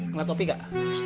kena topi gak